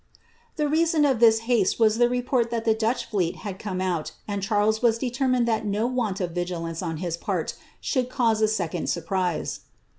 The reason of this haste was the report that the Dutch fleet had come out, and Charles was determined that no want of vigilance on his part should cause a second surprise.